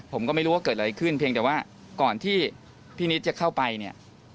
ผมก็ไม่รู้ว่าเกิดอะไรขึ้นเพียงแต่ว่าก่อนที่พี่นิดจะเข้าไปเนี่ย